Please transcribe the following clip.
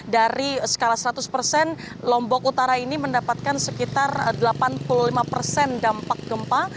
dari skala seratus persen lombok utara ini mendapatkan sekitar delapan puluh lima persen dampak gempa